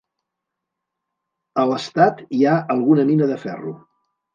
A l'estat hi ha alguna mina de ferro.